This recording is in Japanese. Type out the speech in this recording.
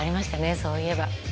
そういえば。